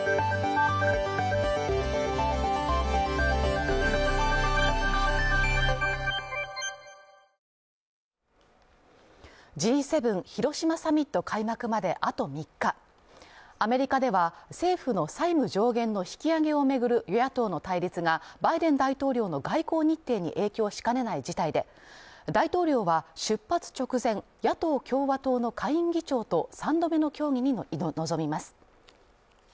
特に気温が高くなるのが、関東の内陸でＧ７広島サミット開幕まであと３日アメリカでは、政府の債務上限の引き上げを巡る与野党の対立がバイデン大統領の外交日程に影響しかねない事態で大統領は出発直前野党共和党の下院議長と３度目の協議に臨みます。